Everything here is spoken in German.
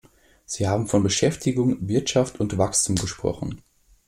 Sie haben von Beschäftigung, Wirtschaft und Wachstum gesprochen.